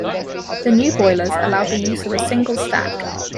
The new boilers allowed the use of a single stack.